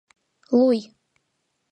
Луй!..